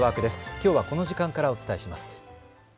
きょうはこの時間からお伝えします。